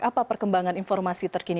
apa perkembangan informasi tersebut